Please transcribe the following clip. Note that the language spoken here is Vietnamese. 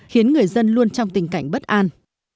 khiến người dân luôn trong tình cảnh bất an